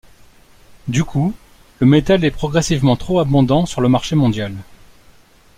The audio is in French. Du coup, le métal est progressivement trop abondant sur le marché mondial.